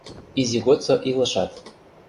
Изи годсо илышат